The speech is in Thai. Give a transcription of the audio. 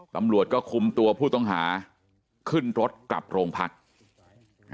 ตำรวจก็คุมตัวผู้ต้องหาขึ้นรถกลับโรงพัก